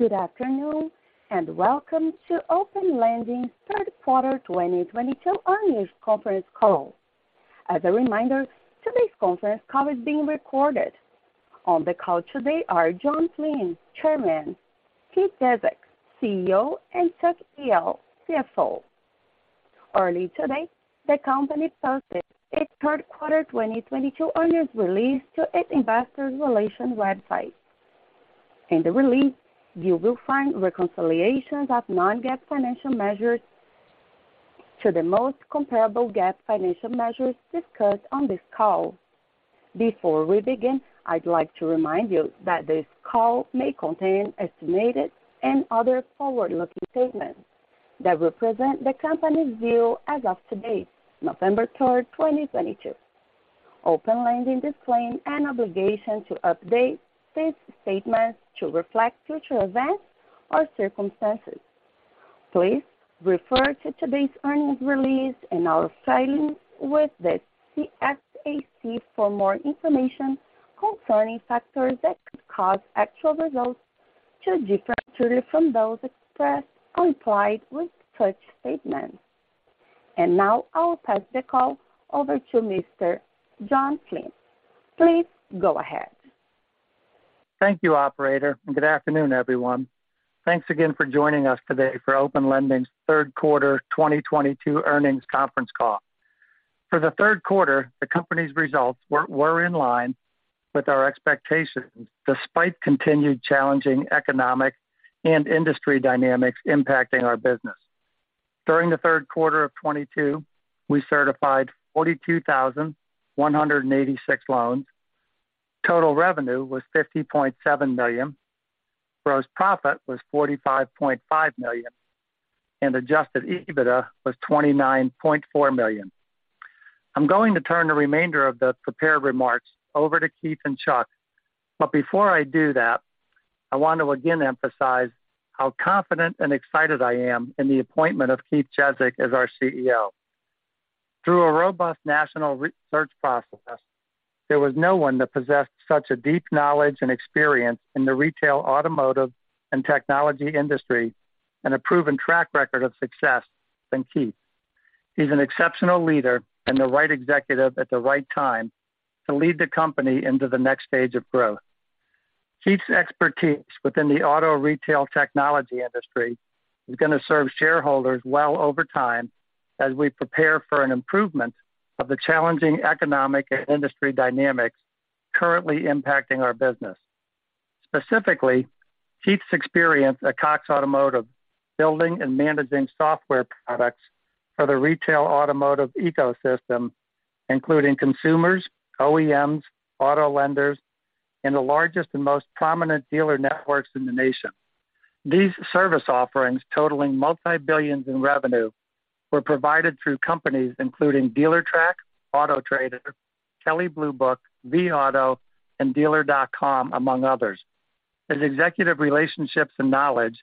Good afternoon, and welcome to Open Lending third quarter 2022 earnings conference call. As a reminder, today's conference call is being recorded. On the call today are John Flynn, Chairman, Keith Jezek, CEO, and Chuck Jehl, CFO. Early today, the company posted its third quarter 2022 earnings release to its investor relations website. In the release, you will find reconciliations of non-GAAP financial measures to the most comparable GAAP financial measures discussed on this call. Before we begin, I'd like to remind you that this call may contain estimated and other forward-looking statements that represent the company's view as of today, November 3rd, 2022. Open Lending disclaims an obligation to update these statements to reflect future events or circumstances. Please refer to today's earnings release and our filings with the SEC for more information concerning factors that could cause actual results to differ materially from those expressed or implied with such statements. Now I'll pass the call over to Mr. John Flynn. Please go ahead. Thank you, operator, and good afternoon, everyone. Thanks again for joining us today for Open Lending's third quarter 2022 earnings conference call. For the third quarter, the company's results were in line with our expectations despite continued challenging economic and industry dynamics impacting our business. During the third quarter of 2022, we certified 42,186 loans. Total revenue was $50.7 million. Gross profit was $45.5 million, and Adjusted EBITDA was $29.4 million. I'm going to turn the remainder of the prepared remarks over to Keith and Chuck. Before I do that, I want to again emphasize how confident and excited I am in the appointment of Keith Jezek as our CEO. Through a robust national research process, there was no one that possessed such a deep knowledge and experience in the retail, automotive, and technology industry and a proven track record of success than Keith. He's an exceptional leader and the right executive at the right time to lead the company into the next stage of growth. Keith's expertise within the auto retail technology industry is gonna serve shareholders well over time as we prepare for an improvement of the challenging economic and industry dynamics currently impacting our business. Specifically, Keith's experience at Cox Automotive, building and managing software products for the retail automotive ecosystem, including consumers, OEMs, auto lenders, and the largest and most prominent dealer networks in the nation. These service offerings, totaling multi-billions in revenue, were provided through companies including Dealertrack, Autotrader, Kelley Blue Book, vAuto, and Dealer.com, among others. His executive relationships and knowledge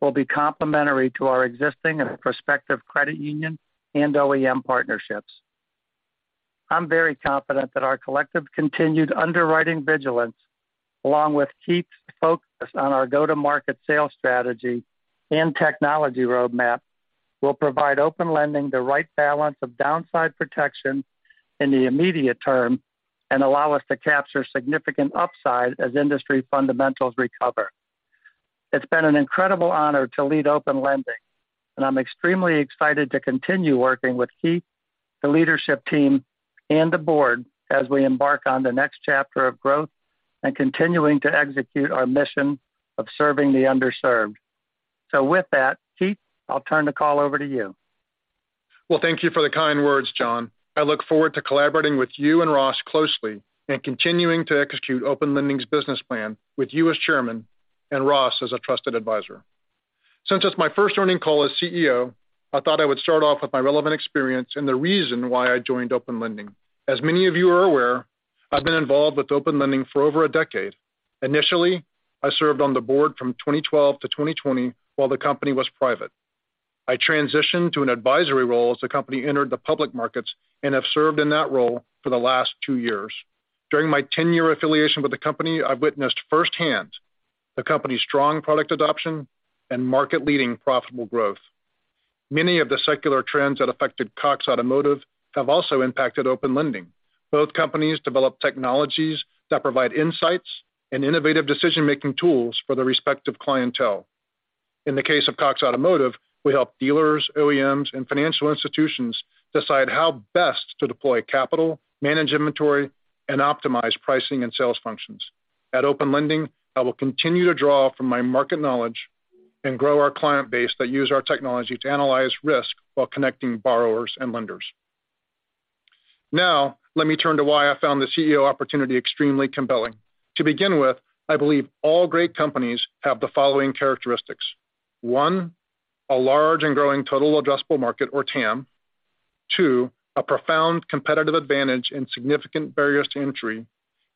will be complementary to our existing and prospective credit union and OEM partnerships. I'm very confident that our collective continued underwriting vigilance, along with Keith's focus on our go-to-market sales strategy and technology roadmap, will provide Open Lending the right balance of downside protection in the immediate term and allow us to capture significant upside as industry fundamentals recover. It's been an incredible honor to lead Open Lending, and I'm extremely excited to continue working with Keith, the leadership team, and the board as we embark on the next chapter of growth and continuing to execute our mission of serving the underserved. With that, Keith, I'll turn the call over to you. Well, thank you for the kind words, John. I look forward to collaborating with you and Ross closely and continuing to execute Open Lending's business plan with you as Chairman and Ross as a Trusted Advisor. Since it's my first earnings call as CEO, I thought I would start off with my relevant experience and the reason why I joined Open Lending. As many of you are aware, I've been involved with Open Lending for over a decade. Initially, I served on the board from 2012-2020 while the company was private. I transitioned to an Advisory role as the company entered the public markets and have served in that role for the last two years. During my 10-year affiliation with the company, I've witnessed firsthand the company's strong product adoption and market-leading profitable growth. Many of the secular trends that affected Cox Automotive have also impacted Open Lending. Both companies develop technologies that provide insights and innovative decision-making tools for their respective clientele. In the case of Cox Automotive, we help dealers, OEMs, and financial institutions decide how best to deploy capital, manage inventory, and optimize pricing and sales functions. At Open Lending, I will continue to draw from my market knowledge and grow our client base that use our technology to analyze risk while connecting borrowers and lenders. Now, let me turn to why I found the CEO opportunity extremely compelling. To begin with, I believe all great companies have the following characteristics. One, a large and growing total addressable market or TAM. Two, a profound competitive advantage and significant barriers to entry.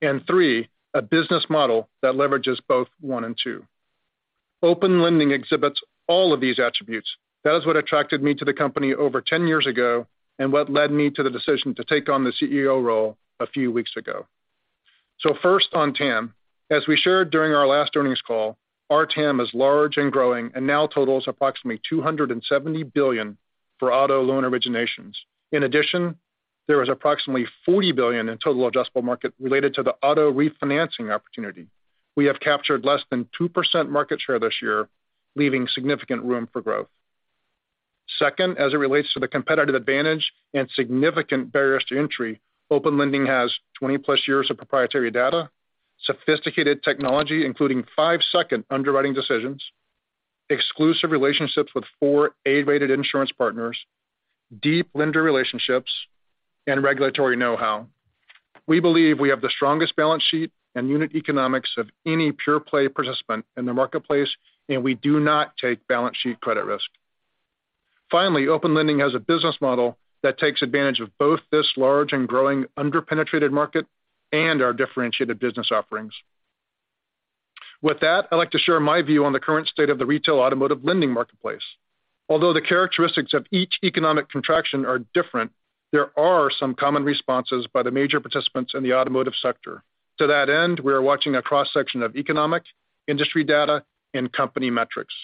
And three, a business model that leverages both one and two. Open Lending exhibits all of these attributes. That is what attracted me to the company over 10 years ago, and what led me to the decision to take on the CEO role a few weeks ago. First on TAM. As we shared during our last earnings call, our TAM is large and growing and now totals approximately $270 billion for auto loan originations. In addition, there is approximately $40 billion in total addressable market related to the auto refinancing opportunity. We have captured less than 2% market share this year, leaving significant room for growth. Second, as it relates to the competitive advantage and significant barriers to entry, Open Lending has 20+ years of proprietary data, sophisticated technology, including five-second underwriting decisions, exclusive relationships with four A-rated insurance partners, deep lender relationships, and regulatory know-how. We believe we have the strongest balance sheet and unit economics of any pure-play participant in the marketplace, and we do not take balance sheet credit risk. Finally, Open Lending has a business model that takes advantage of both this large and growing under-penetrated market and our differentiated business offerings. With that, I'd like to share my view on the current state of the retail automotive lending marketplace. Although the characteristics of each economic contraction are different, there are some common responses by the major participants in the automotive sector. To that end, we are watching a cross-section of economic, industry data, and company metrics.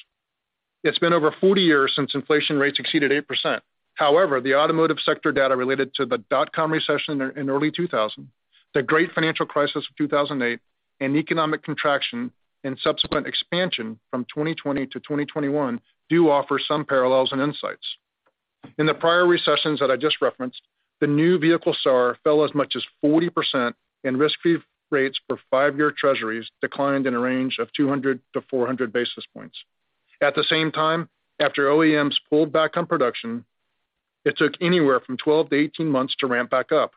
It's been over 40 years since inflation rates exceeded 8%. However, the automotive sector data related to the dot-com recession in early 2000, the great financial crisis of 2008, and economic contraction and subsequent expansion from 2020-2021 do offer some parallels and insights. In the prior recessions that I just referenced, the new vehicle SAAR fell as much as 40% and risk-free rates for five-year treasuries declined in a range of 200-400 basis points. At the same time, after OEMs pulled back on production, it took anywhere from 12-18 months to ramp back up.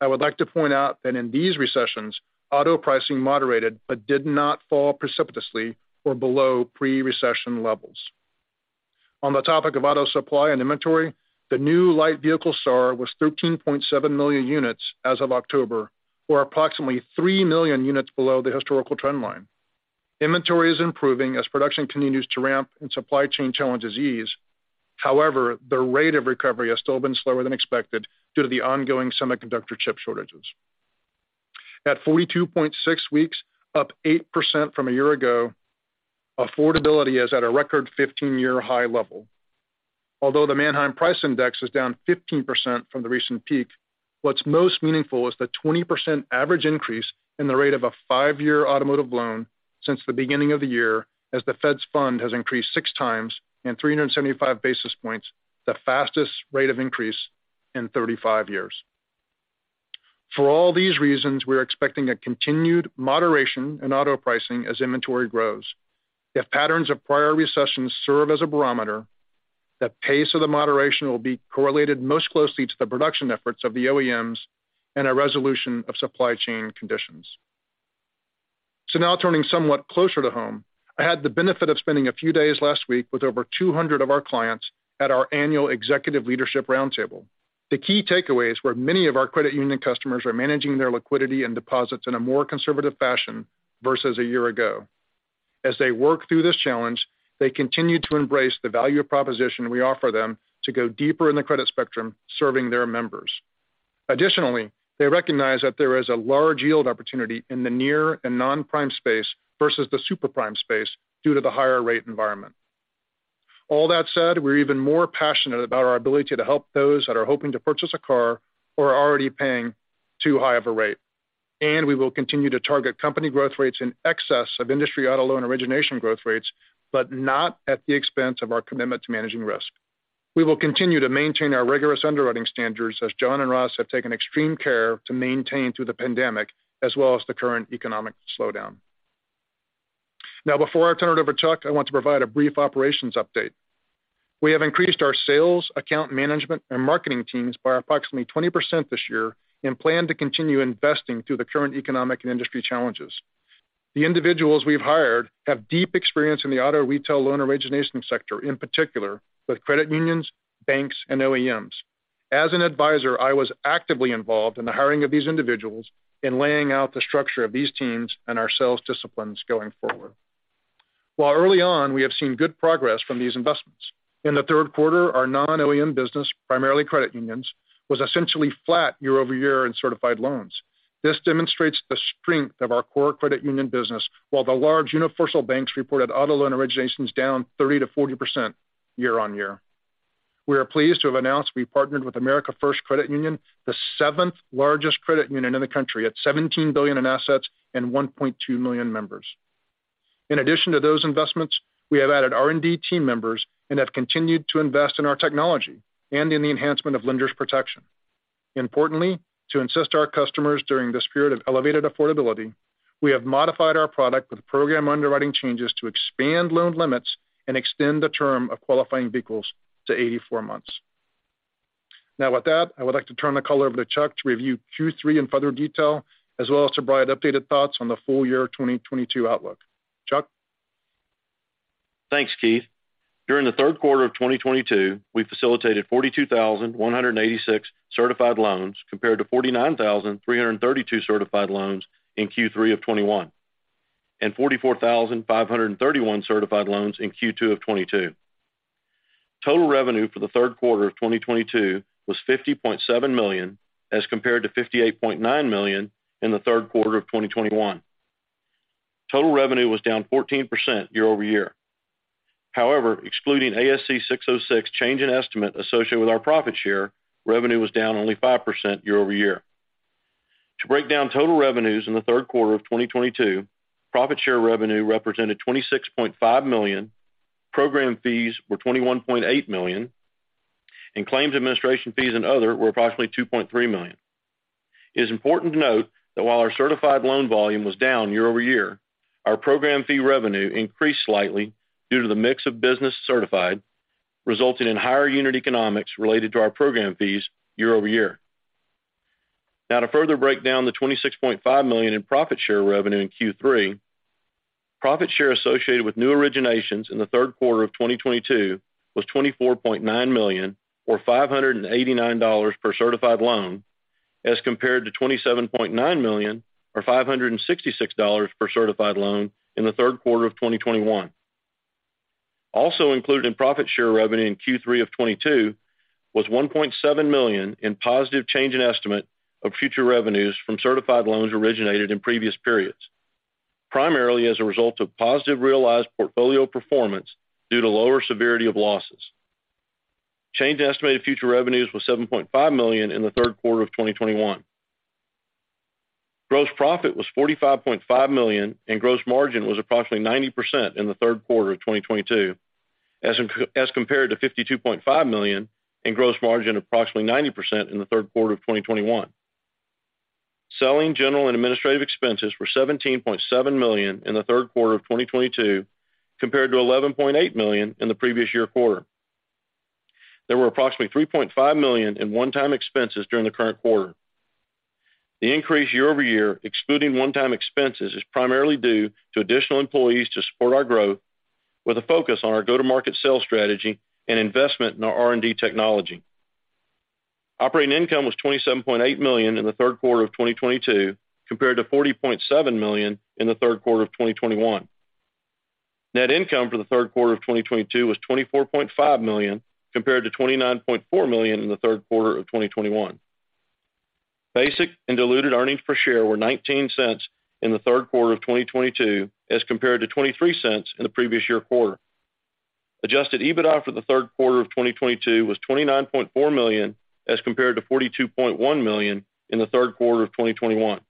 I would like to point out that in these recessions, auto pricing moderated but did not fall precipitously or below pre-recession levels. On the topic of auto supply and inventory, the new light vehicle SAAR was 13.7 million units as of October, or approximately 3 million units below the historical trend line. Inventory is improving as production continues to ramp and supply chain challenges ease. However, the rate of recovery has still been slower than expected due to the ongoing semiconductor chip shortages. At 42.6 weeks, up 8% from a year ago, affordability is at a record 15-year high level. Although the Manheim Price Index is down 15% from the recent peak, what's most meaningful is the 20% average increase in the rate of a five-year automotive loan since the beginning of the year, as the Fed funds rate has increased 6x and 375 basis points, the fastest rate of increase in 35 years. For all these reasons, we're expecting a continued moderation in auto pricing as inventory grows. If patterns of prior recessions serve as a barometer, the pace of the moderation will be correlated most closely to the production efforts of the OEMs and a resolution of supply chain conditions. Now turning somewhat closer to home, I had the benefit of spending a few days last week with over 200 of our clients at our annual executive leadership roundtable. The key takeaways were many of our credit union customers are managing their liquidity and deposits in a more conservative fashion versus a year ago. As they work through this challenge, they continue to embrace the value proposition we offer them to go deeper in the credit spectrum, serving their members. Additionally, they recognize that there is a large yield opportunity in the near and non-prime space versus the super prime space due to the higher rate environment. All that said, we're even more passionate about our ability to help those that are hoping to purchase a car or are already paying too high of a rate. We will continue to target company growth rates in excess of industry auto loan origination growth rates, but not at the expense of our commitment to managing risk. We will continue to maintain our rigorous underwriting standards as John and Ross have taken extreme care to maintain through the pandemic as well as the current economic slowdown. Now before I turn it over to Chuck, I want to provide a brief operations update. We have increased our sales, account management, and marketing teams by approximately 20% this year and plan to continue investing through the current economic and industry challenges. The individuals we've hired have deep experience in the auto retail loan origination sector, in particular with credit unions, banks, and OEMs. As an Advisor, I was actively involved in the hiring of these individuals, in laying out the structure of these teams and our sales disciplines going forward. While early on, we have seen good progress from these investments. In the third quarter, our non-OEM business, primarily credit unions, was essentially flat year-over-year in certified loans. This demonstrates the strength of our core credit union business, while the large universal banks reported auto loan originations down 30%-40% year-over-year. We are pleased to have announced we partnered with America First Credit Union, the seventh-largest credit union in the country at $17 billion in assets and 1.2 million members. In addition to those investments, we have added R&D team members and have continued to invest in our technology and in the enhancement of Lenders Protection. Importantly, to assist our customers during this period of elevated affordability, we have modified our product with program underwriting changes to expand loan limits and extend the term of qualifying vehicles to 84 months. Now, with that, I would like to turn the call over to Chuck to review Q3 in further detail, as well as to provide updated thoughts on the full year of 2022 outlook. Chuck? Thanks, Keith. During the third quarter of 2022, we facilitated 42,186 certified loans compared to 49,332 certified loans in Q3 of 2021 and 44,531 certified loans in Q2 of 2022. Total revenue for the third quarter of 2022 was $50.7 million as compared to $58.9 million in the third quarter of 2021. Total revenue was down 14% year-over-year. However, excluding ASC 606 change in estimate associated with our profit share, revenue was down only 5% year-over-year. To break down total revenues in the third quarter of 2022, profit share revenue represented $26.5 million, program fees were $21.8 million, and claims administration fees and other were approximately $2.3 million. It is important to note that while our certified loan volume was down year-over-year, our program fee revenue increased slightly due to the mix of business certified, resulting in higher unit economics related to our program fees year-over-year. Now to further break down the $26.5 million in profit share revenue in Q3, profit share associated with new originations in the third quarter of 2022 was $24.9 million or $589 per certified loan as compared to $27.9 million or $566 per certified loan in the third quarter of 2021. Also included in profit share revenue in Q3 of 2022 was $1.7 million in positive change in estimate of future revenues from certified loans originated in previous periods, primarily as a result of positive realized portfolio performance due to lower severity of losses. Change in estimated future revenues was $7.5 million in the third quarter of 2021. Gross profit was $45.5 million and gross margin was approximately 90% in the third quarter of 2022 as compared to $52.5 million and gross margin approximately 90% in the third quarter of 2021. Selling, general, and administrative expenses were $17.7 million in the third quarter of 2022 compared to $11.8 million in the previous year quarter. There were approximately $3.5 million in one-time expenses during the current quarter. The increase year over year, excluding one-time expenses, is primarily due to additional employees to support our growth with a focus on our go-to-market sales strategy and investment in our R&D technology. Operating income was $27.8 million in the third quarter of 2022 compared to $40.7 million in the third quarter of 2021. Net income for the third quarter of 2022 was $24.5 million compared to $29.4 million in the third quarter of 2021. Basic and diluted earnings per share were $0.19 in the third quarter of 2022 as compared to $0.23 in the previous year quarter. Adjusted EBITDA for the third quarter of 2022 was $29.4 million as compared to $42.1 million in the third quarter of 2021.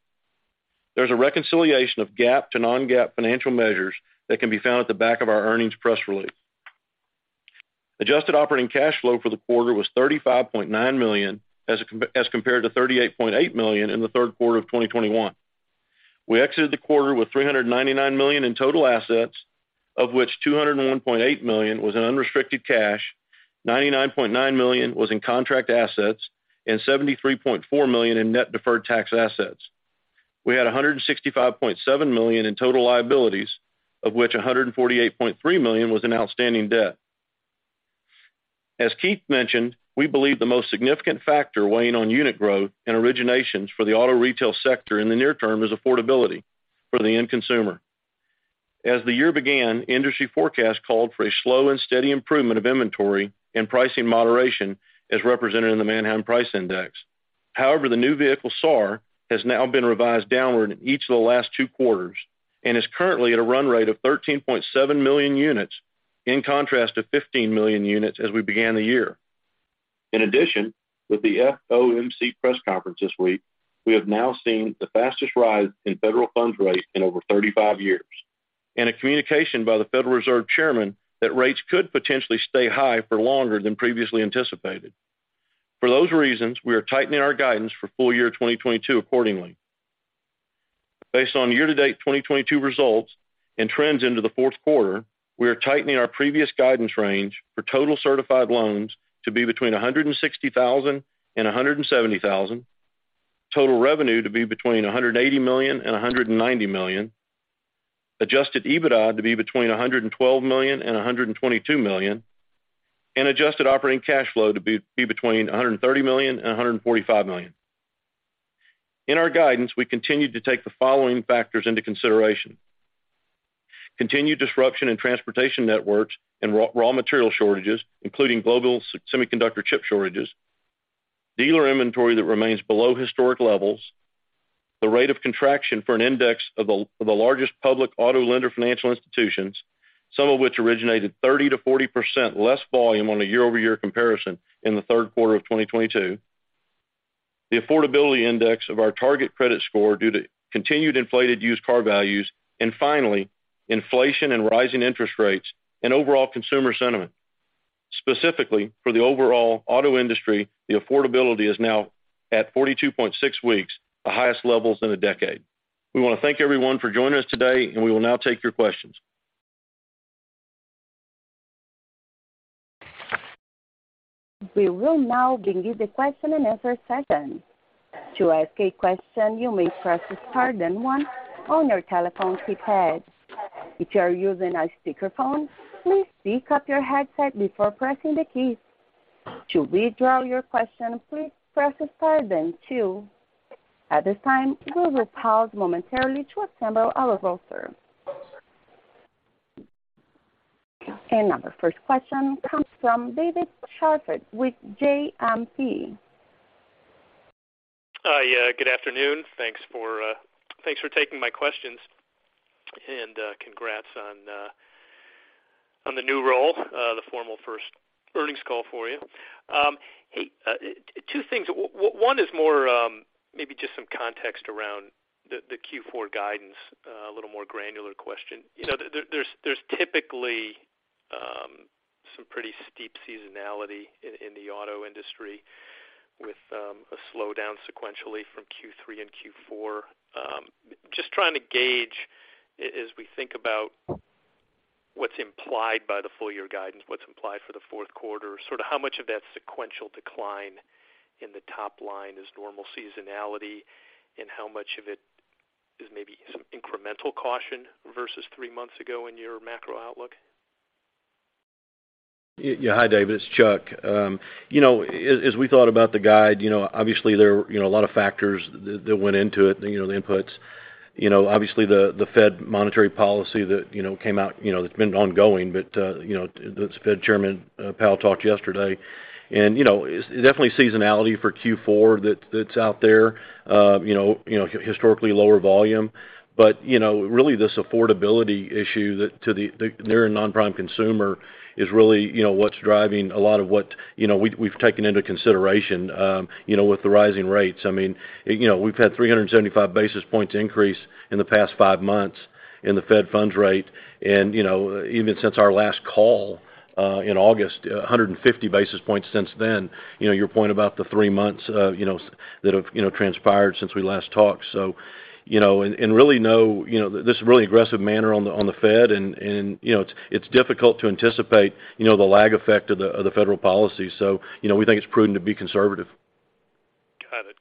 There's a reconciliation of GAAP to non-GAAP financial measures that can be found at the back of our earnings press release. Adjusted operating cash flow for the quarter was $35.9 million as compared to $38.8 million in the third quarter of 2021. We exited the quarter with $399 million in total assets, of which $201.8 million was in unrestricted cash, $99.9 million was in contract assets, and $73.4 million in net deferred tax assets. We had $165.7 million in total liabilities, of which $148.3 million was in outstanding debt. As Keith mentioned, we believe the most significant factor weighing on unit growth and originations for the auto retail sector in the near term is affordability for the end consumer. As the year began, industry forecasts called for a slow and steady improvement of inventory and pricing moderation as represented in the Manheim Price Index. However, the new vehicle SAAR has now been revised downward in each of the last two quarters and is currently at a run rate of 13.7 million units, in contrast to 15 million units as we began the year. In addition, with the FOMC press conference this week, we have now seen the fastest rise in federal funds rate in over 35 years and a communication by the Federal Reserve chairman that rates could potentially stay high for longer than previously anticipated. For those reasons, we are tightening our guidance for full year 2022 accordingly. Based on year-to-date 2022 results and trends into the fourth quarter, we are tightening our previous guidance range for total certified loans to be between 160,000 and 170,000. Total revenue to be between $180 million and $190 million. Adjusted EBITDA to be between $112 million and $122 million. Adjusted operating cash flow to be between $130 million and $145 million. In our guidance, we continued to take the following factors into consideration. Continued disruption in transportation networks and raw material shortages, including global semiconductor chip shortages. Dealer inventory that remains below historic levels. The rate of contraction for an index of the largest public auto lender financial institutions, some of which originated 30%-40% less volume on a year-over-year comparison in the third quarter of 2022. The affordability index for our target credit score due to continued inflated used car values and finally, inflation and rising interest rates and overall consumer sentiment. Specifically for the overall auto industry, the affordability is now at 42.6 weeks, the highest levels in a decade. We wanna thank everyone for joining us today, and we will now take your questions. We will now begin the question and answer session. To ask a question, you may press Star then One on your telephone keypad. If you are using a speakerphone, please pick up your headset before pressing the keys. To withdraw your question, please press Star then Two. At this time, we will pause momentarily to assemble our roster. Our first question comes from David Scharf with JMP. Good afternoon. Thanks for taking my questions. Congrats on the new role, the formal first earnings call for you. Two things. One is more maybe just some context around the Q4 guidance, a little more granular question. You know, there's typically some pretty steep seasonality in the auto industry with a slowdown sequentially from Q3 and Q4. Just trying to gauge as we think about what's implied by the full year guidance, what's implied for the fourth quarter, sort of how much of that sequential decline in the top line is normal seasonality, and how much of it is maybe some incremental caution versus three months ago in your macro outlook? Yeah. Hey, David. It's Chuck. You know, as we thought about the guide, you know, obviously there were you know a lot of factors that went into it, you know, the inputs. You know, obviously the Fed monetary policy that you know came out, you know, that's been ongoing. You know, the Fed Chairman Powell talked yesterday. You know, it's definitely seasonality for Q4 that's out there. You know, historically lower volume. You know, really this affordability issue, to the near non-prime consumer is really you know what's driving a lot of what you know we've taken into consideration you know with the rising rates. I mean, you know, we've had 375 basis points increase in the past five months in the Fed funds rate. You know, even since our last call in August, 150 basis points since then. You know, your point about the three months that have transpired since we last talked. And really no aggressive manner on the Fed, and you know, it's difficult to anticipate the lag effect of the federal policy. You know, we think it's prudent to be conservative.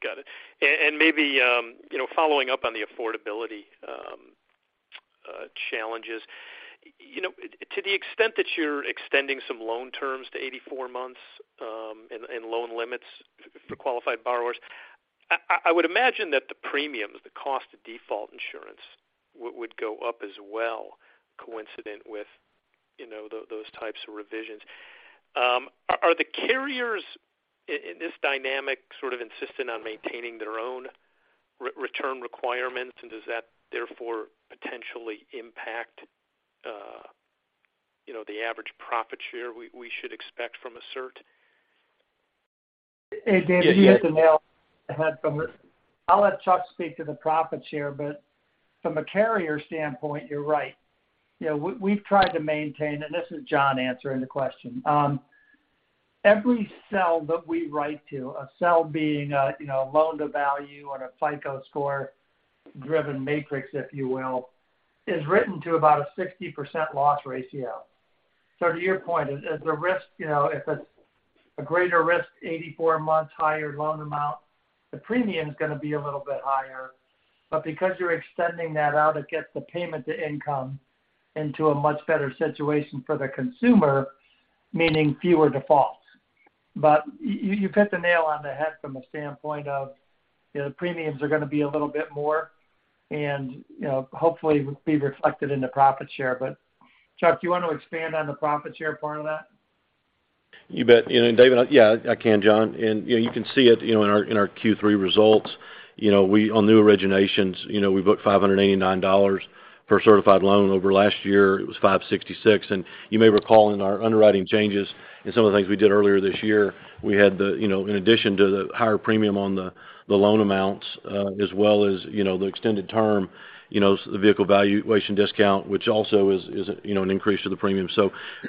Got it. Maybe, you know, following up on the affordability challenges, you know, to the extent that you're extending some loan terms to 84 months, and loan limits for qualified borrowers, I would imagine that the premium, the cost of default insurance would go up as well coincident with, you know, those types of revisions. Are the carriers in this dynamic sort of insistent on maintaining their own return requirements? Does that therefore potentially impact, you know, the average profit share we should expect from a cert? Hey, David, you hit the nail on the head. I'll let Chuck speak to the profit share, but from a carrier standpoint, you're right. You know, we've tried to maintain, and this is John answering the question. Every cell that we write to, a cell being a, you know, loan-to-value or a FICO score-driven matrix, if you will, is written to about a 60% loss ratio. So to your point, as the risk, you know, if it's a greater risk, 84 months higher loan amount, the premium's gonna be a little bit higher. But because you're extending that out, it gets the payment to income into a much better situation for the consumer, meaning fewer defaults. You hit the nail on the head from a standpoint of, you know, the premiums are gonna be a little bit more and, you know, hopefully be reflected in the profit share. Chuck, do you want to expand on the profit share part of that? You bet. You know, David, yeah, I can, John. You know, you can see it, you know, in our Q3 results. You know, we, on new originations, you know, we booked $589 for a certified loan. Over last year, it was $566. You may recall in our underwriting changes and some of the things we did earlier this year, we had the, you know, in addition to the higher premium on the loan amounts, as well as, you know, the extended term, you know, the vehicle valuation discount, which also is, you know, an increase to the premium.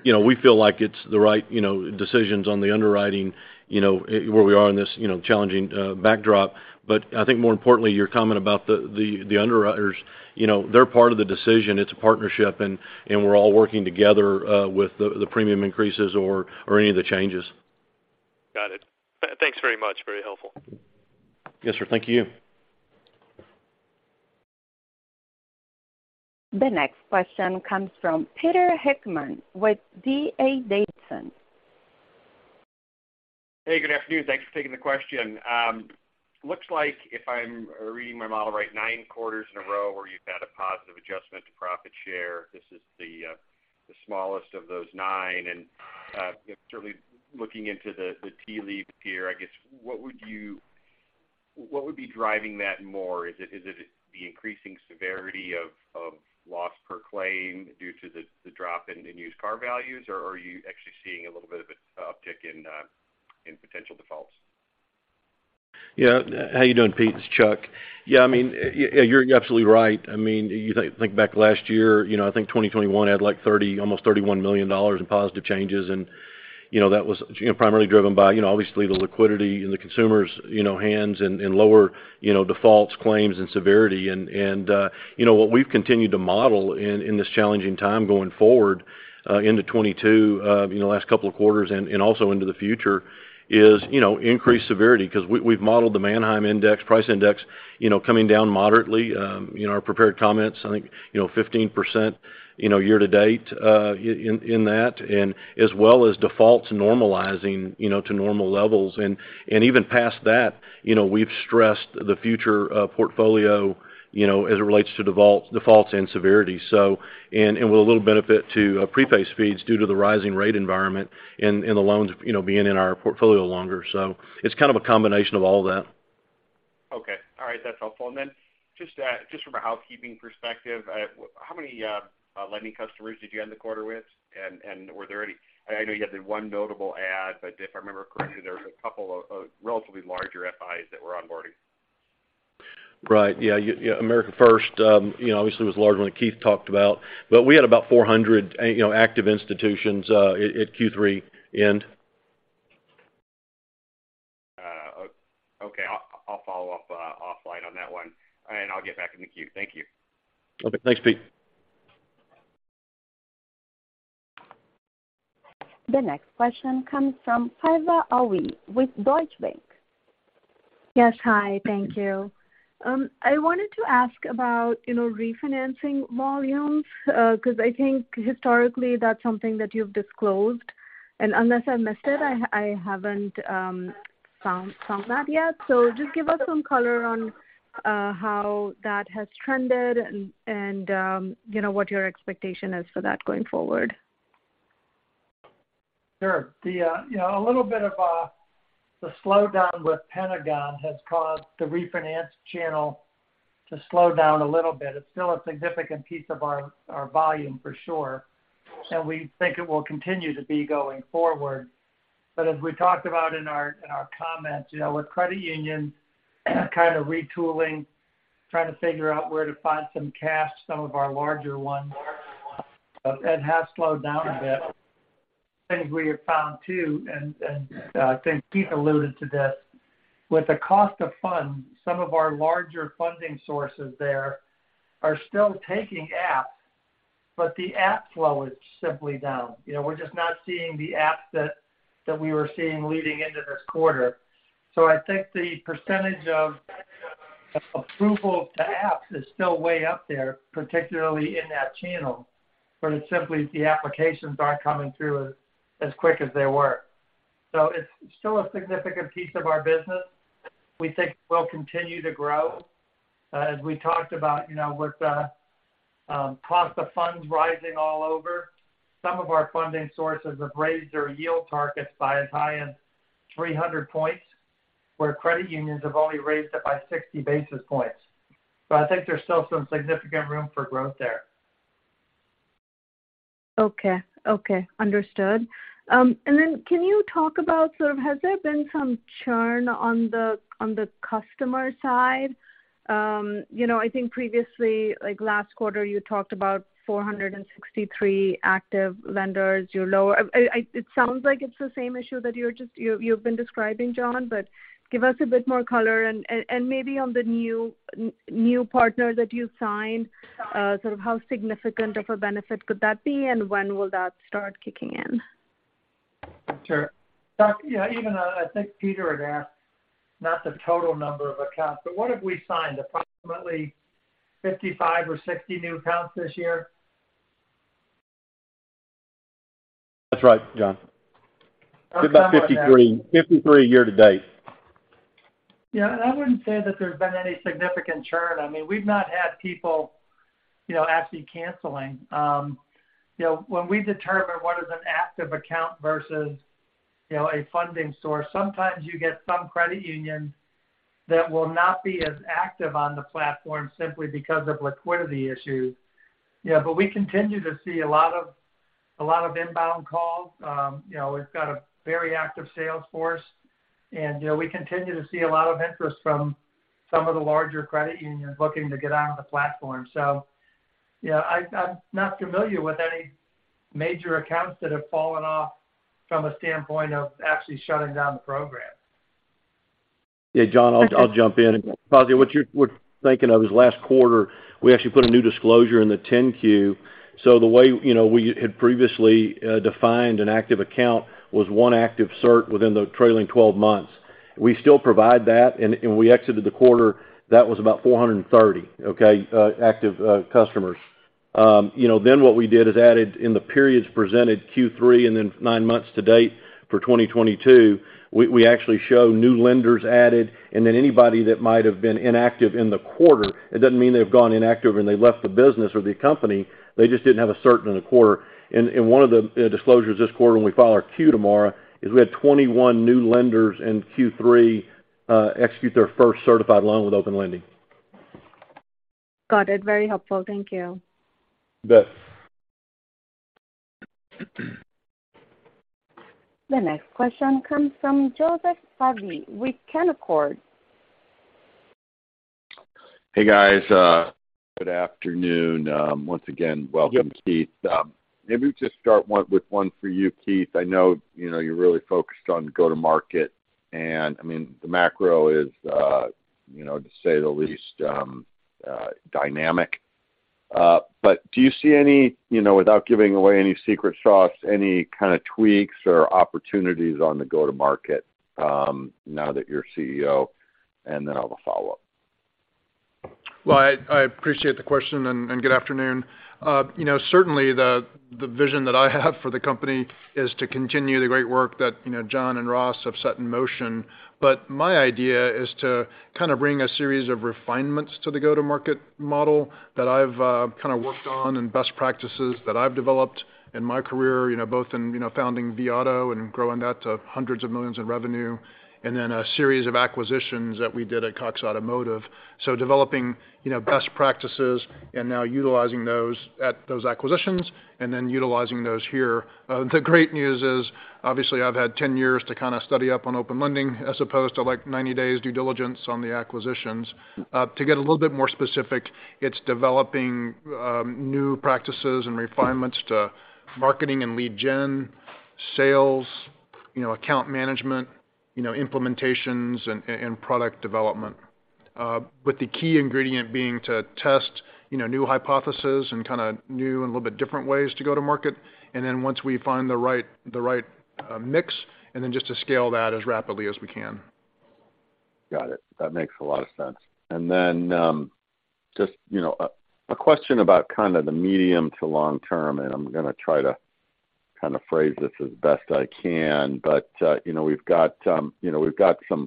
You know, we feel like it's the right, you know, decisions on the underwriting, you know, where we are in this, you know, challenging backdrop. I think more importantly, your comment about the underwriters, you know, they're part of the decision. It's a partnership, and we're all working together with the premium increases or any of the changes. Got it. Thanks very much. Very helpful. Yes, sir. Thank you. The next question comes from Pete Heckmann with D.A. Davidson. Hey, good afternoon. Thanks for taking the question. Looks like if I'm reading my model right, nine quarters in a row where you've had a positive adjustment to profit share. This is the smallest of those nine. Certainly looking into the tea leaves here, I guess what would be driving that more? Is it the increasing severity of loss per claim due to the drop in used car values, or are you actually seeing a little bit of an uptick in potential defaults? Yeah. How you doing, Pete? It's Chuck. Yeah, I mean, you're absolutely right. I mean, you think back last year, you know, I think 2021 had like $30 million, almost $31 million in positive changes. You know, that was primarily driven by, you know, obviously the liquidity in the consumers' hands and lower defaults, claims and severity. What we've continued to model in this challenging time going forward into 2022, you know, last couple of quarters and also into the future is increased severity because we've modeled the Manheim Index, Price Index coming down moderately in our prepared comments, I think 15% year-to-date in that, and as well as defaults normalizing to normal levels. Even past that, you know, we've stressed the future portfolio, you know, as it relates to defaults and severity. With a little benefit to prepayment speeds due to the rising rate environment and the loans, you know, being in our portfolio longer. It's kind of a combination of all that. Okay. All right, that's helpful. Just from a housekeeping perspective, how many lending customers did you end the quarter with? Were there any? I know you had the one notable add, but if I remember correctly, there was a couple of relatively larger FIs that were onboarding. Right. Yeah. Yeah, America First, you know, obviously was a large one that Keith talked about, but we had about 400, you know, active institutions, at Q3 end. Okay. I'll follow up offline on that one, and I'll get back in the queue. Thank you. Okay. Thanks, Pete. The next question comes from Faiza Alwy with Deutsche Bank. Yes. Hi. Thank you. I wanted to ask about, you know, refinancing volumes, because I think historically that's something that you've disclosed. Unless I missed it, I haven't found that yet. Just give us some color on how that has trended and, you know, what your expectation is for that going forward. Sure. The slowdown with Pentagon has caused the refinance channel to slow down a little bit. It's still a significant piece of our volume for sure, and we think it will continue to be going forward. As we talked about in our comments, with credit union kind of retooling, trying to figure out where to find some cash, some of our larger ones, it has slowed down a bit. Things we have found too, and I think Keith alluded to this, with the cost of funds, some of our larger funding sources there are still taking apps, but the app flow is simply down. We're just not seeing the apps that we were seeing leading into this quarter. I think the percentage of approval to apps is still way up there, particularly in that channel, but it's simply the applications aren't coming through as quick as they were. It's still a significant piece of our business. We think it will continue to grow. As we talked about, you know, with cost of funds rising all over, some of our funding sources have raised their yield targets by as high as 300 points, where credit unions have only raised it by 60 basis points. I think there's still some significant room for growth there. Okay. Understood. Then can you talk about sort of has there been some churn on the customer side? You know, I think previously, like last quarter, you talked about 463 active lenders. It sounds like it's the same issue that you've been describing, John, but give us a bit more color and maybe on the new partner that you signed, sort of how significant of a benefit could that be, and when will that start kicking in? Sure. Doc, yeah, even, I think Pete had asked not the total number of accounts, but what have we signed? Approximately 55 or 60 new accounts this year? That's right, John. About 53. 53 year-to-date. Yeah. I wouldn't say that there's been any significant churn. I mean, we've not had people, you know, actually canceling. You know, when we determine what is an active account versus, you know, a funding source, sometimes you get some credit union that will not be as active on the platform simply because of liquidity issues. Yeah, but we continue to see a lot of inbound calls. You know, we've got a very active sales force and, you know, we continue to see a lot of interest from some of the larger credit unions looking to get on the platform. Yeah, I'm not familiar with any major accounts that have fallen off from a standpoint of actually shutting down the program. Yeah, John, I'll jump in. Faiza, what we're thinking of is last quarter, we actually put a new disclosure in the 10-Q. The way, you know, we had previously defined an active account was one active cert within the trailing twelve months. We still provide that, and we exited the quarter, that was about 430, okay, active customers. You know, what we did is added in the periods presented Q3 and then nine months to date for 2022, we actually show new lenders added and then anybody that might have been inactive in the quarter. It doesn't mean they've gone inactive and they left the business or the company. They just didn't have a cert in the quarter. One of the disclosures this quarter when we file our Q tomorrow is we had 21 new lenders in Q3 execute their first certified loan with Open Lending. Got it. Very helpful. Thank you. Bet. The next question comes from Joseph Vafi with Canaccord. Hey guys, good afternoon. Once again, welcome, Keith. Maybe just start with one for you, Keith. I know, you know, you're really focused on go-to-market, and I mean, the macro is, you know, to say the least, dynamic. Do you see any, you know, without giving away any secret sauce, any kind of tweaks or opportunities on the go-to-market, now that you're CEO? I'll have a follow-up. I appreciate the question, and good afternoon. You know, certainly the vision that I have for the company is to continue the great work that, you know, John and Ross have set in motion. My idea is to kind of bring a series of refinements to the go-to-market model that I've kind of worked on and best practices that I've developed in my career, you know, both in, you know, founding vAuto and growing that to hundreds of millions in revenue, and then a series of acquisitions that we did at Cox Automotive. Developing, you know, best practices and now utilizing those at those acquisitions and then utilizing those here. The great news is, obviously, I've had 10 years to kind of study up on Open Lending as opposed to, like, 90 days due diligence on the acquisitions. To get a little bit more specific, it's developing new practices and refinements to marketing and lead gen, sales, you know, account management, you know, implementations and product development. With the key ingredient being to test, you know, new hypothesis and kind of new and a little bit different ways to go to market. Once we find the right mix, and then just to scale that as rapidly as we can. Got it. That makes a lot of sense. Then, just, you know, a question about kind of the medium to long term, and I'm gonna try to kind of phrase this as best I can. You know, we've got some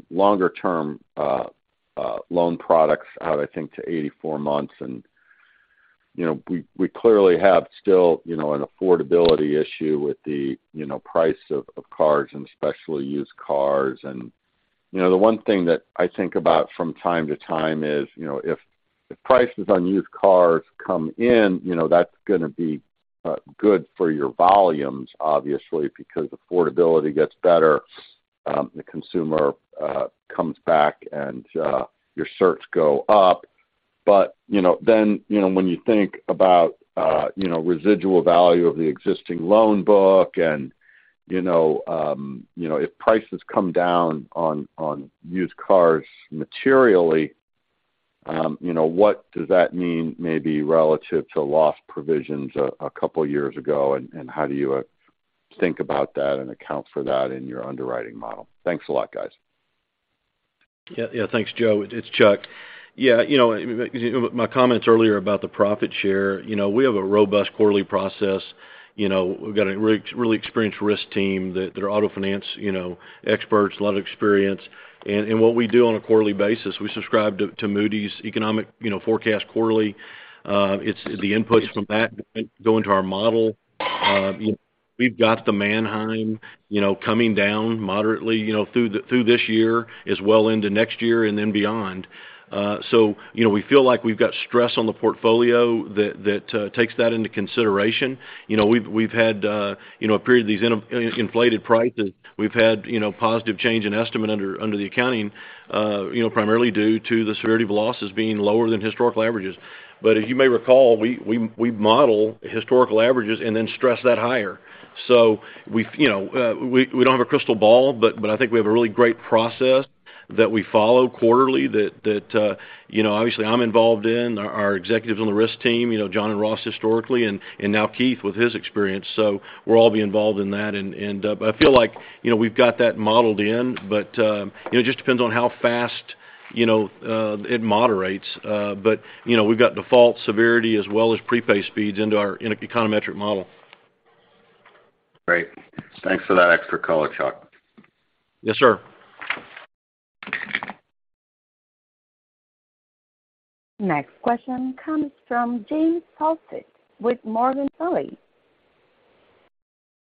longer-term loan products out, I think, to 84 months. You know, we clearly have still, you know, an affordability issue with the, you know, price of cars and especially used cars. You know, the one thing that I think about from time to time is, you know, if prices on used cars come in, you know, that's gonna be good for your volumes, obviously, because affordability gets better, the consumer comes back and your shares go up. You know, then, you know, when you think about, you know, residual value of the existing loan book and, you know, if prices come down on used cars materially, you know, what does that mean maybe relative to loss provisions a couple years ago, and how do you think about that and account for that in your underwriting model? Thanks a lot, guys. Yeah. Thanks, Joe. It's Chuck. Yeah, you know, because, you know, my comments earlier about the profit share, you know, we have a robust quarterly process. You know, we've got a really experienced risk team that they're auto finance, you know, experts, a lot of experience. What we do on a quarterly basis, we subscribe to Moody's economic, you know, forecast quarterly. It's the inputs from that go into our model. You know, we've got the Manheim, you know, coming down moderately, you know, through this year as well into next year and then beyond. You know, we feel like we've got stress on the portfolio that takes that into consideration. You know, we've had, you know, a period of these inflated prices. We've had, you know, positive change in estimate under the accounting, you know, primarily due to the severity of losses being lower than historical averages. As you may recall, we model historical averages and then stress that higher. We've, you know, we don't have a crystal ball, but I think we have a really great process that we follow quarterly that, you know, obviously, I'm involved in, our executives on the risk team, you know, John and Ross historically, and now Keith with his experience. We'll all be involved in that. I feel like, you know, we've got that modeled in, but, you know, it just depends on how fast, you know, it moderates. You know, we've got default severity as well as prepay speeds into our econometric model. Great. Thanks for that extra color, Chuck. Yes, sir. Next question comes from James Faucette with Morgan Stanley.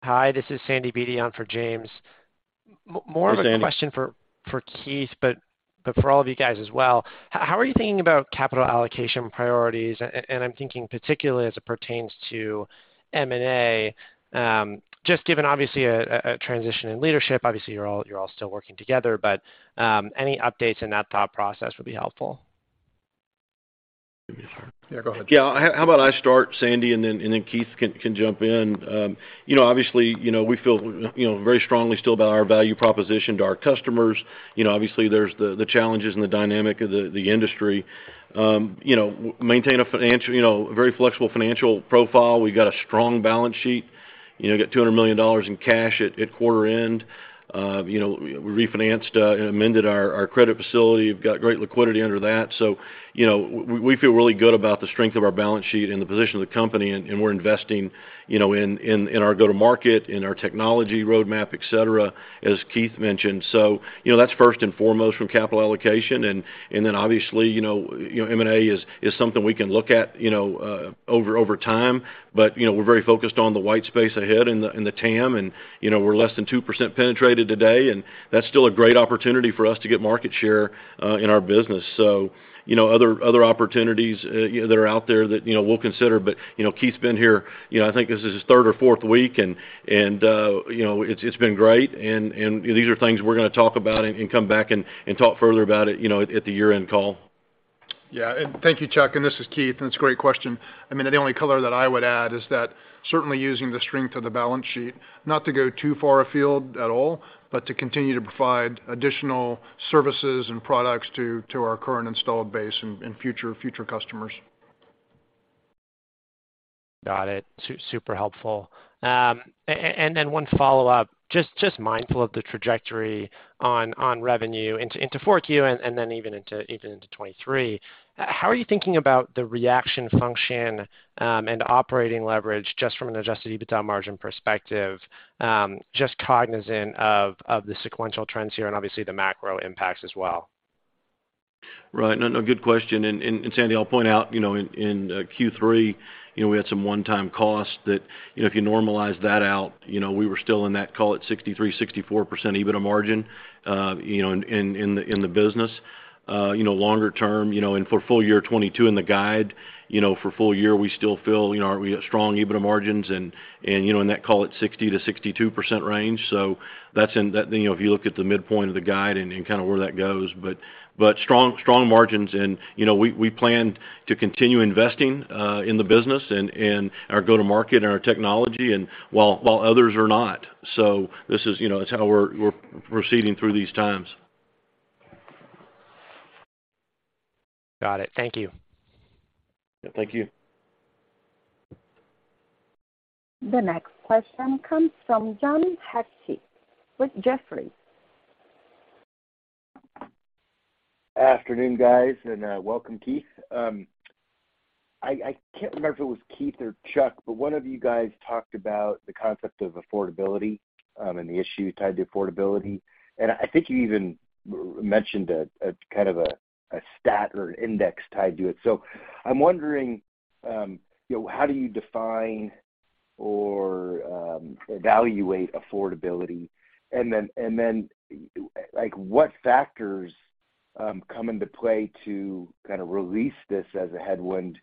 Hi, this is Sandy Beatty on for James. Hey, Sandy. More of a question for Keith, but for all of you guys as well. How are you thinking about capital allocation priorities? I'm thinking particularly as it pertains to M&A, just given obviously a transition in leadership. Obviously, you're all still working together, but any updates in that thought process would be helpful. Yeah, go ahead. Yeah. How about I start, Sandy, and then Keith can jump in. You know, obviously, you know, we feel, you know, very strongly still about our value proposition to our customers. You know, obviously, there's the challenges and the dynamic of the industry. You know, maintain a financial, you know, very flexible financial profile. We've got a strong balance sheet, you know, got $200 million in cash at quarter end. You know, we refinanced and amended our credit facility. We've got great liquidity under that. You know, we feel really good about the strength of our balance sheet and the position of the company, and we're investing, you know, in our go-to-market, in our technology roadmap, et cetera, as Keith mentioned. You know, that's first and foremost from capital allocation. Then obviously, you know, M&A is something we can look at, you know, over time. But, you know, we're very focused on the white space ahead in the TAM. You know, we're less than 2% penetrated today, and that's still a great opportunity for us to get market share in our business. You know, other opportunities, you know, that are out there that, you know, we'll consider. You know, Keith's been here, you know, I think this is his third or fourth week and you know, it's been great and these are things we're gonna talk about and come back and talk further about it, you know, at the year-end call. Yeah. Thank you, Chuck, and this is Keith, and it's a great question. I mean, the only color that I would add is that certainly using the strength of the balance sheet, not to go too far afield at all, but to continue to provide additional services and products to our current installed base and future customers. Got it. Super helpful. One follow-up. Just mindful of the trajectory on revenue into fourth quarter and then even into 2023. How are you thinking about the reaction function and operating leverage just from an Adjusted EBITDA margin perspective? Just cognizant of the sequential trends here and obviously the macro impacts as well. Right. No, no, good question. And Sandy, I'll point out, you know, in Q3, you know, we had some one-time costs that, you know, if you normalize that out, you know, we were still in that, call it 63%-64% EBITDA margin, you know, in the business. You know, longer term, you know, and for full year 2022 in the guide, you know, for full year, we still feel, you know, we have strong EBITDA margins and, you know, in that, call it 60%-62% range. So that's in the guide. You know, if you look at the midpoint of the guide and kind of where that goes. But strong margins and, you know, we plan to continue investing in the business and our go-to-market and our technology while others are not. This is, you know, it's how we're proceeding through these times. Got it. Thank you. Yeah, thank you. The next question comes from John Hecht with Jefferies. Afternoon, guys, welcome, Keith. I can't remember if it was Keith or Chuck, but one of you guys talked about the concept of affordability, and the issue tied to affordability. I think you even mentioned a kind of a stat or an index tied to it. I'm wondering, you know, how do you define or evaluate affordability? Then, like, what factors come into play to kind of release this as a headwind,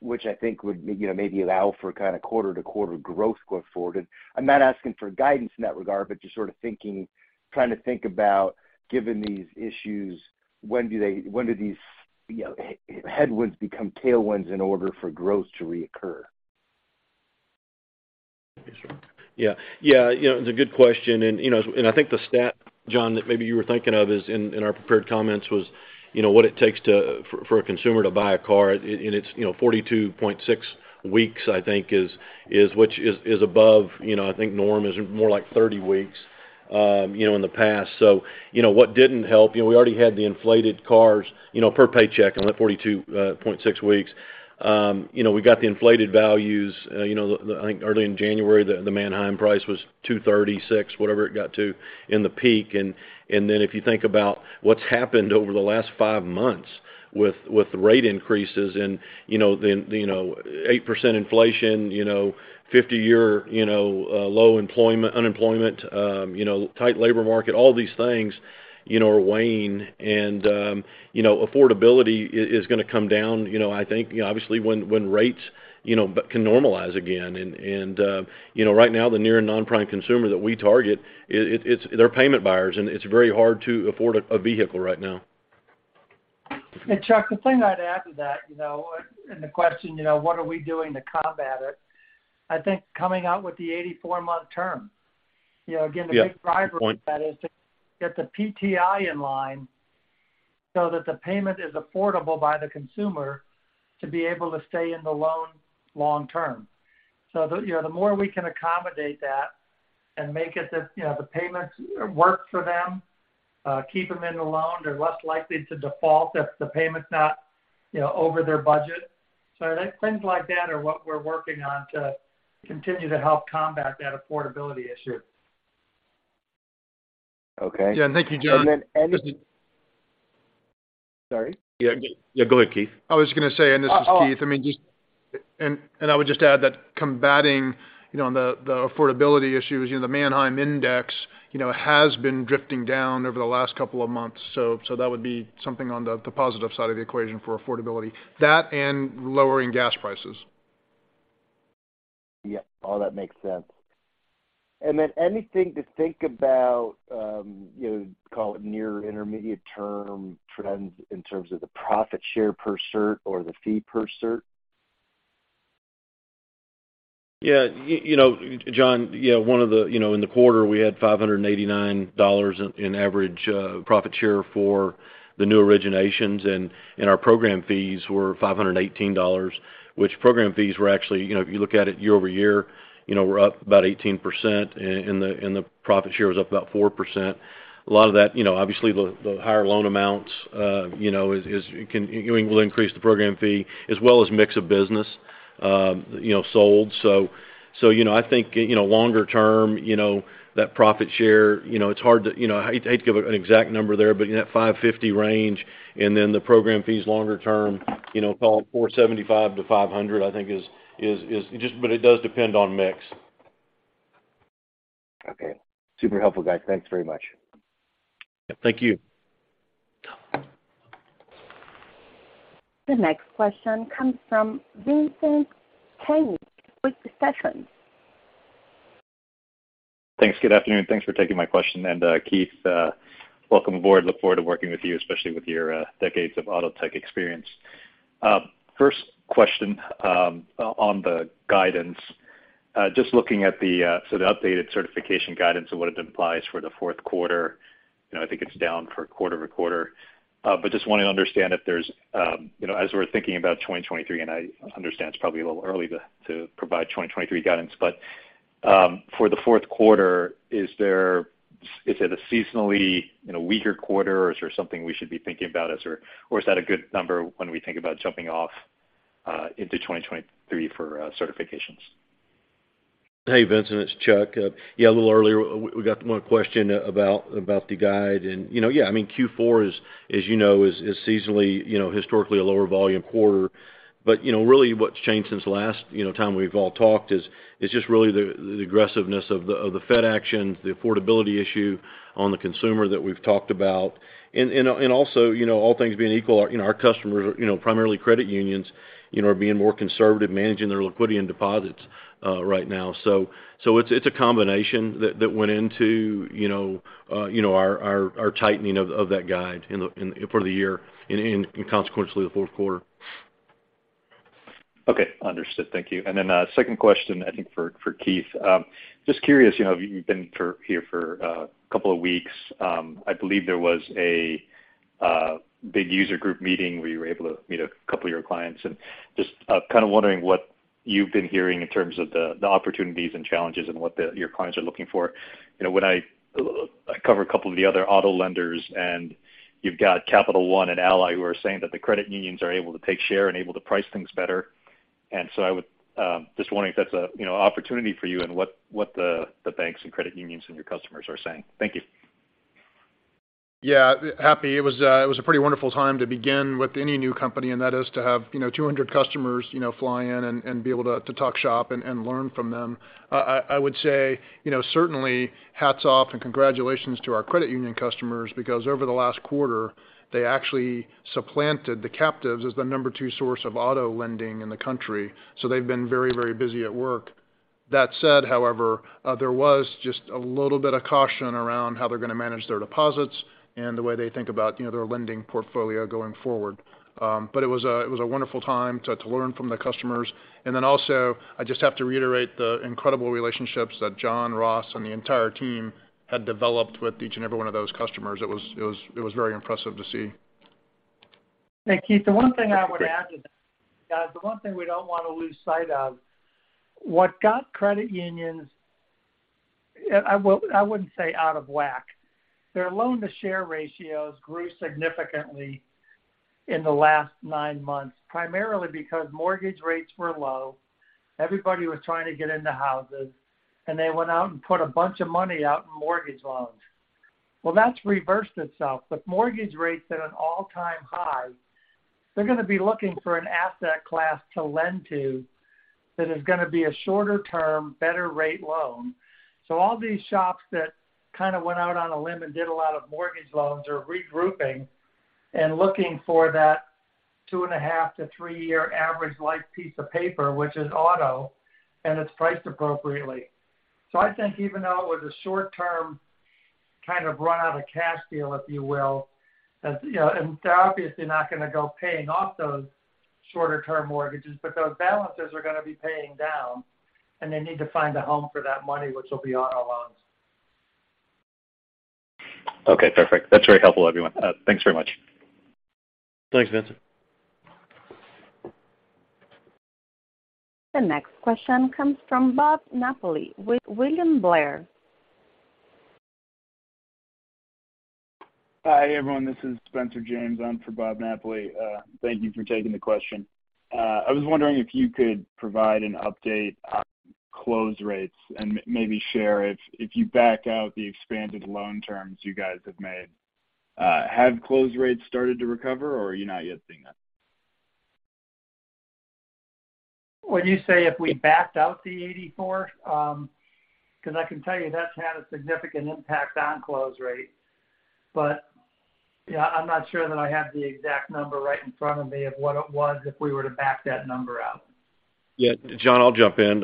which I think would, you know, maybe allow for kind of quarter-to-quarter growth going forward? I'm not asking for guidance in that regard, but just sort of thinking, trying to think about, given these issues, when do they, when do these, you know, headwinds become tailwinds in order for growth to reoccur? You know, it's a good question. You know, I think the stat, John, that maybe you were thinking of is in our prepared comments, what it takes for a consumer to buy a car. It's 42.6 weeks, I think, which is above. You know, I think the norm is more like 30 weeks in the past. You know, what didn't help, we already had the inflated cars per paycheck in the 42.6 weeks. You know, we got the inflated values. You know, I think early in January, the Manheim price was 236, whatever it got to in the peak. If you think about what's happened over the last five months with rate increases and, you know, then, you know, 8% inflation, you know, 50-year low unemployment, you know, tight labor market, all these things, you know, are weighing. Affordability is gonna come down, you know, I think, you know, obviously when rates can normalize again. Right now, the near and non-prime consumer that we target, they're payment buyers, and it's very hard to afford a vehicle right now. Chuck Jehl, the thing I'd add to that, you know, and the question, you know, what are we doing to combat it? I think coming out with the 84-month term. You know, again- Yeah. Good point. The big driver of that is to get the PTI in line so that the payment is affordable by the consumer to be able to stay in the loan long term. The, you know, the more we can accommodate that and make it the, you know, the payments work for them, keep them in the loan, they're less likely to default if the payment's not, you know, over their budget. I think things like that are what we're working on to continue to help combat that affordability issue. Okay. Yeah. Thank you, John. And then any- Sorry. Yeah. Yeah, go ahead, Keith. I was just gonna say, and this is Keith. Oh. I mean, I would just add that commenting, you know, on the affordability issues, you know, the Manheim index, you know, has been drifting down over the last couple of months. That would be something on the positive side of the equation for affordability. That and lowering gas prices. Yeah. All that makes sense. Anything to think about, you know, call it near intermediate term trends in terms of the profit share per cert or the fee per cert? Yeah. You know, John, one of the, you know, in the quarter, we had $589 in average profit share for the new originations, and our program fees were $518, which program fees were actually, you know, if you look at it year-over-year, you know, were up about 18% and the profit share was up about 4%. A lot of that, you know, obviously the higher loan amounts, you know, will increase the program fee as well as mix of business, you know, sold. You know, I think, you know, longer term, you know, that profit share, you know, it's hard to, you know. I'd give an exact number there, but in that $550 range, and then the program fees longer term, you know, call it $475-$500, I think is just but it does depend on mix. Okay. Super helpful, guys. Thanks very much. Thank you. The next question comes from Vincent Caintic with Stephens. Thanks. Good afternoon. Thanks for taking my question. Keith Jezek, welcome aboard. Look forward to working with you, especially with your decades of auto tech experience. First question, on the guidance. Just looking at the updated certification guidance and what it implies for the fourth quarter, you know, I think it's down quarter-over-quarter. But just wanna understand if there's, you know, as we're thinking about 2023, and I understand it's probably a little early to provide 2023 guidance, but, for the fourth quarter, is it a seasonally, you know, weaker quarter, or is there something we should be thinking about as we're jumping off into 2023 for certifications? Hey, Vincent, it's Chuck. Yeah, a little earlier, we got one question about the guide and, you know, yeah, I mean, Q4 is, as you know, seasonally, you know, historically a lower volume quarter. You know, really what's changed since the last time we've all talked is just really the aggressiveness of the Fed actions, the affordability issue on the consumer that we've talked about. Also, you know, all things being equal, you know, our customers are, you know, primarily credit unions, you know, are being more conservative managing their liquidity and deposits right now. It's a combination that went into our tightening of that guide for the year and consequently the fourth quarter. Okay. Understood. Thank you. Second question, I think for Keith. Just curious, you know, you've been here for a couple of weeks. I believe there was a big user group meeting where you were able to meet a couple of your clients. Just kind of wondering what you've been hearing in terms of the opportunities and challenges and what your clients are looking for. You know, when I cover a couple of the other auto lenders and you've got Capital One and Ally who are saying that the credit unions are able to take share and able to price things better. I would just wondering if that's a you know opportunity for you and what the banks and credit unions and your customers are saying. Thank you. Yeah. Happy. It was a pretty wonderful time to begin with any new company, and that is to have, you know, 200 customers, you know, fly in and be able to talk shop and learn from them. I would say, you know, certainly hats off and congratulations to our credit union customers because over the last quarter they actually supplanted the captives as the number two source of auto lending in the country. They've been very busy at work. That said, however, there was just a little bit of caution around how they're gonna manage their deposits and the way they think about, you know, their lending portfolio going forward. It was a wonderful time to learn from the customers. Also, I just have to reiterate the incredible relationships that John, Ross, and the entire team had developed with each and every one of those customers. It was very impressive to see. Hey, Keith, the one thing I would add to that, guys, the one thing we don't wanna lose sight of, what got credit unions out of whack. I wouldn't say out of whack. Their loan-to-share ratios grew significantly in the last nine months, primarily because mortgage rates were low. Everybody was trying to get into houses, and they went out and put a bunch of money out in mortgage loans. Well, that's reversed itself. With mortgage rates at an all-time high, they're gonna be looking for an asset class to lend to that is gonna be a shorter-term, better-rate loan. So all these shops that kind of went out on a limb and did a lot of mortgage loans are regrouping and looking for that two and a half to three year average life piece of paper, which is auto, and it's priced appropriately. I think even though it was a short term, kind of run out of cash deal, if you will, you know, and they're obviously not gonna go paying off those shorter-term mortgages, but those balances are gonna be paying down, and they need to find a home for that money, which will be auto loans. Okay, perfect. That's very helpful, everyone. Thanks very much. Thanks, Vincent. The next question comes from Bob Napoli with William Blair. Hi, everyone. This is Spencer James in for Bob Napoli. Thank you for taking the question. I was wondering if you could provide an update on close rates and maybe share if you back out the expanded loan terms you guys have made, have close rates started to recover or are you not yet seeing that? When you say if we backed out the 84? 'Cause I can tell you that's had a significant impact on close rate. Yeah, I'm not sure that I have the exact number right in front of me of what it was if we were to back that number out. Yeah. John, I'll jump in.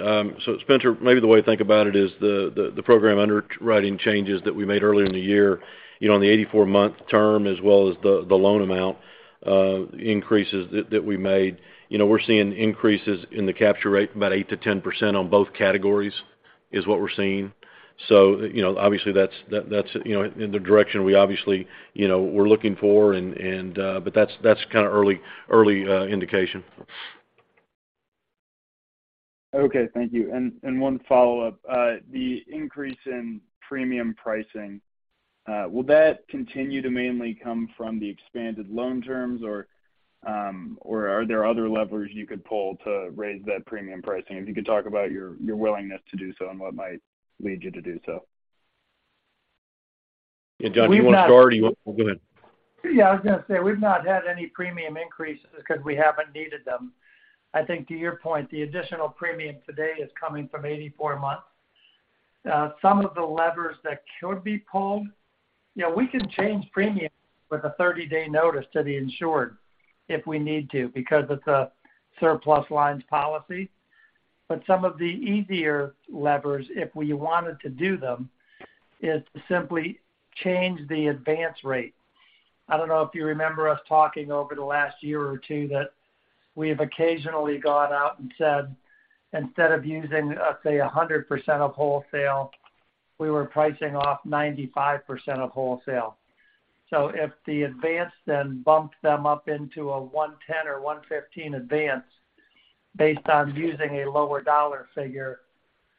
Spencer, maybe the way to think about it is the program underwriting changes that we made earlier in the year, you know, on the 84-month term as well as the loan amount increases that we made. You know, we're seeing increases in the capture rate about 8%-10% on both categories is what we're seeing. You know, obviously that's in the direction we obviously, you know, we're looking for and but that's kind of early indication. Okay. Thank you. One follow-up. The increase in premium pricing, will that continue to mainly come from the expanded loan terms or are there other levers you could pull to raise that premium pricing? If you could talk about your willingness to do so and what might lead you to do so. John, do you want to start or go ahead? Yeah, I was gonna say, we've not had any premium increases because we haven't needed them. I think to your point, the additional premium today is coming from 84 months. Some of the levers that could be pulled. Yeah, we can change premium with a thirty-day notice to the insured if we need to, because it's a surplus lines policy. Some of the easier levers, if we wanted to do them, is to simply change the advance rate. I don't know if you remember us talking over the last year or two that we have occasionally gone out and said, instead of using, let's say, 100% of wholesale, we were pricing off 95% of wholesale. If the advance then bumped them up into a 110 or 115 advance based on using a lower dollar figure,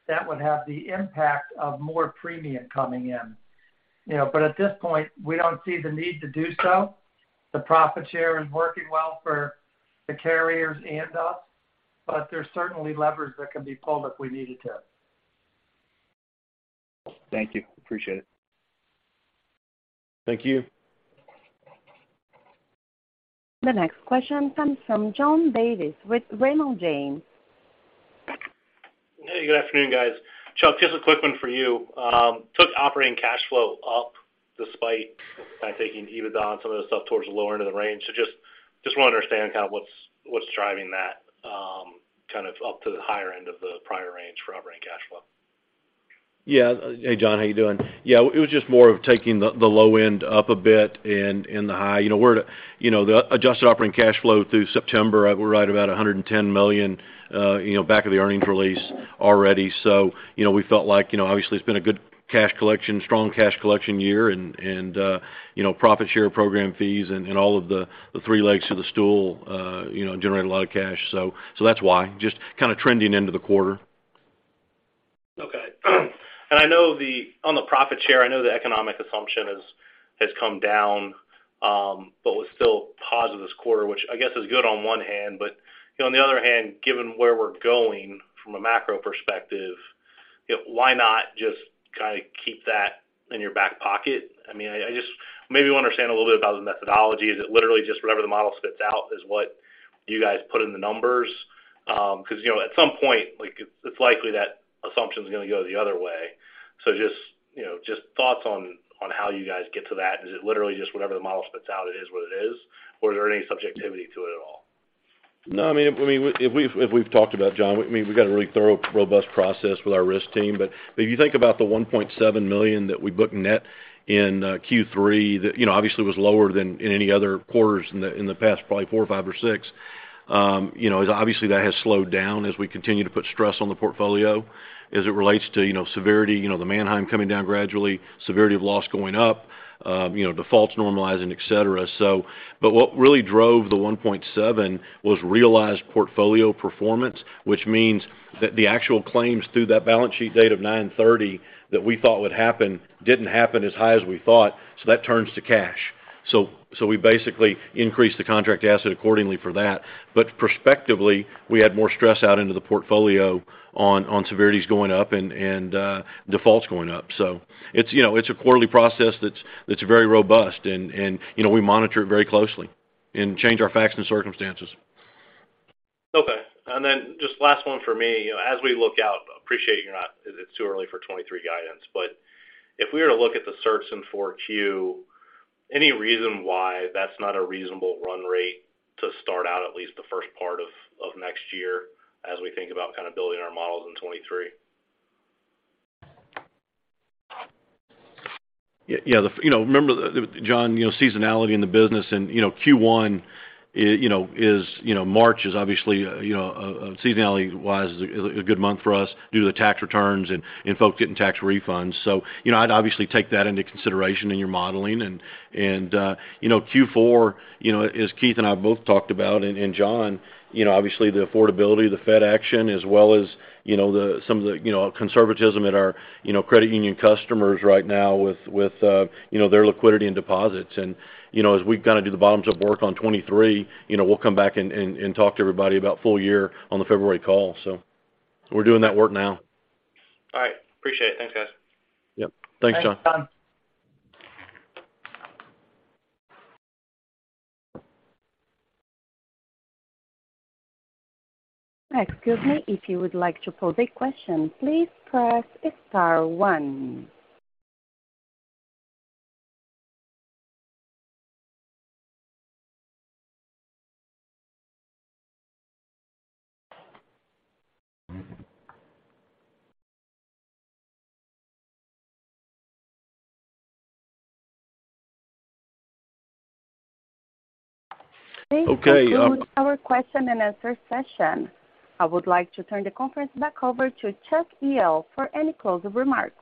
that would have the impact of more premium coming in. You know, at this point, we don't see the need to do so. The profit share is working well for the carriers and us, but there's certainly levers that can be pulled if we needed to. Thank you. Appreciate it. Thank you. The next question comes from John Davis with Raymond James. Hey, good afternoon, guys. Chuck, just a quick one for you. Took operating cash flow up despite kind of taking EBITDA and some of the stuff towards the lower end of the range. Just wanna understand kind of what's driving that, kind of up to the higher end of the prior range for operating cash flow. Yeah. Hey, John, how you doing? Yeah, it was just more of taking the low end up a bit and the high. You know, we're at the adjusted operating cash flow through September. We're right about $110 million, you know, back of the earnings release already. You know, we felt like, you know, obviously it's been a good cash collection, strong cash collection year and profit share program fees and all of the three legs of the stool, you know, generate a lot of cash. That's why, just kind of trending into the quarter. Okay. I know the On the profit share, I know the economic assumption has come down, but was still positive this quarter, which I guess is good on one hand, but, you know, on the other hand, given where we're going from a macro perspective, why not just kind of keep that in your back pocket? I mean, I just maybe wanna understand a little bit about the methodology. Is it literally just whatever the model spits out is what you guys put in the numbers? 'Cause, you know, at some point, like it's likely that assumption's gonna go the other way. So just, you know, just thoughts on how you guys get to that. Is it literally just whatever the model spits out, it is what it is? Or is there any subjectivity to it at all? No, I mean, if we've talked about John, I mean, we've got a really thorough, robust process with our risk team. If you think about the $1.7 million that we booked net in Q3, that you know, obviously was lower than in any other quarters in the past, probably four or five or six, you know, as obviously that has slowed down as we continue to put stress on the portfolio as it relates to you know, severity, you know, the Manheim coming down gradually, severity of loss going up, you know, defaults normalizing, et cetera. What really drove the 1.7 was realized portfolio performance, which means that the actual claims through that balance sheet date of 9/30 that we thought would happen didn't happen as high as we thought, so that turns to cash. We basically increased the contract asset accordingly for that. Prospectively, we had more stress out into the portfolio on severities going up and defaults going up. It's, you know, a quarterly process that's very robust and, you know, we monitor it very closely and change our facts and circumstances. Okay. Just last one for me. You know, as we look out, appreciate you're not, 'cause it's too early for 2023 guidance, but if we were to look at the certs in Q4, any reason why that's not a reasonable run rate to start out at least the first part of next year as we think about kind of building our models in 2023? Yeah, you know, remember John, you know, seasonality in the business and, you know, Q1, you know, is, you know, March is obviously, you know, seasonality-wise a good month for us due to the tax returns and folks getting tax refunds. You know, I'd obviously take that into consideration in your modeling. You know, Q4, you know, as Keith and I both talked about, John, you know, obviously the affordability, the Fed action, as well as, you know, some of the, you know, conservatism at our, you know, credit union customers right now with, you know, their liquidity and deposits. You know, as we kind of do the bottoms up work on 2023, you know, we'll come back and talk to everybody about full year on the February call. We're doing that work now. All right. Appreciate it. Thanks, guys. Yep. Thanks, John. Thanks, John. Excuse me. If you would like to pose a question, please press Star One. This concludes our question and answer session. I would like to turn the conference back over to Chuck Jehl for any closing remarks.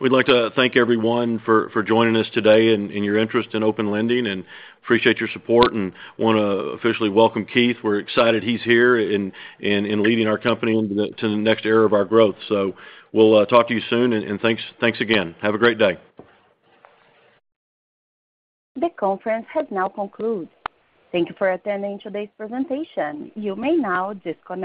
We'd like to thank everyone for joining us today and your interest in Open Lending and appreciate your support and wanna officially welcome Keith. We're excited he's here in leading our company into the next era of our growth. We'll talk to you soon and thanks again. Have a great day. The conference has now concluded. Thank you for attending today's presentation. You may now disconnect.